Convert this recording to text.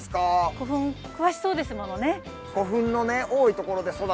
古墳詳しそうですものね。